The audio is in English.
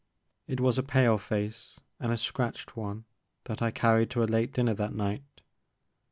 It was a pale face, and a scratched one that I carried to a late dinner that night.